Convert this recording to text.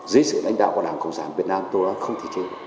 dưới sự lãnh đạo của đảng cộng sản việt nam tôi đã không thể chế